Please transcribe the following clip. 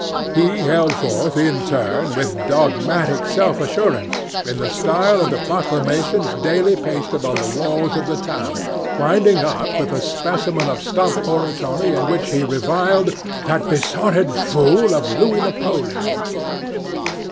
He held forth in turn, with dogmatic self assurance, in the style of the proclamations daily pasted on the walls of the town, winding up with a specimen of stump oratory in which he reviled "that besotted fool of a Louis Napoleon."